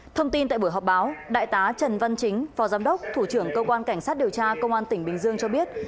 thông tin tại buổi họp báo đại tá trần văn chính phó giám đốc thủ trưởng cơ quan cảnh sát điều tra công an tỉnh bình dương cho biết